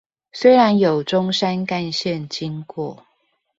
雖然有中山幹線經過